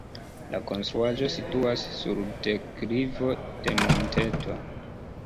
La konstruaĵo situas sur deklivo de monteto.